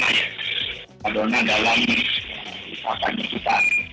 pemanduan dalam wakannya kita